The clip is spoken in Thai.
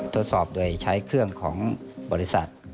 ตรวจสอบโดยใช้เครื่องของบริษัท